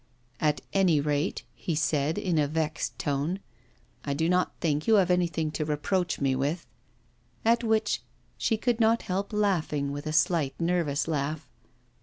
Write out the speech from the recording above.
'At any rate,' he said, in a vexed tone, 'I do not think you have anything to reproach me with.' At which she could not help laughing, with a slight, nervous laugh.